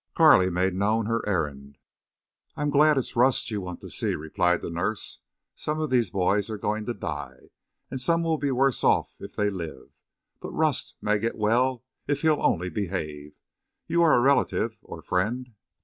Carley made known her errand. "I'm glad it's Rust you want to see," replied the nurse. "Some of these boys are going to die. And some will be worse off if they live. But Rust may get well if he'll only behave. You are a relative—or friend?"